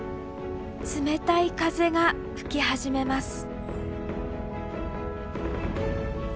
冷たい風が吹き始めます。